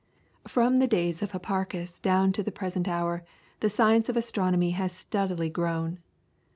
From the days of Hipparchus down to the present hour the science of astronomy has steadily grown.